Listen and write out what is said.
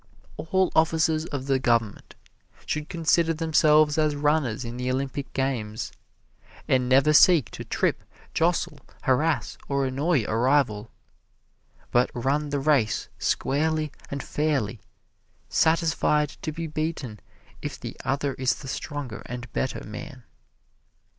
All officers of the government should consider themselves as runners in the Olympian games, and never seek to trip, jostle, harass or annoy a rival, but run the race squarely and fairly, satisfied to be beaten if the other is the stronger and better man.